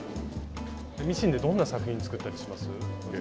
ミシンでどんな作品つくったりします？